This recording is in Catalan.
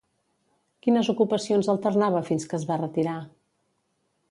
Quines ocupacions alternava fins que es va retirar?